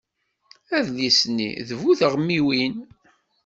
Adlis-nni d bu teɣmiwin.